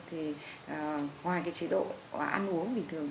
thì ngoài cái chế độ ăn uống bình thường